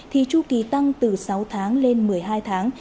thì chu kỳ tăng từ sáu tháng lên một mươi hai tháng